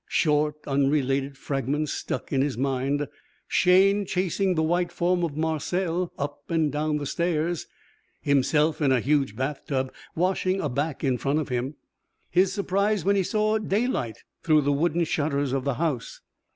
Short, unrelated fragments stuck in his mind Shayne chasing the white form of Marcelle up and down the stairs; himself in a huge bath tub washing a back in front of him, his surprise when he saw daylight through the wooden shutters of the house.